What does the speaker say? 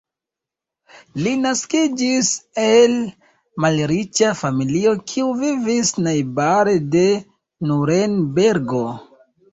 Li naskiĝis el malriĉa familio kiu vivis najbare de Nurenbergo.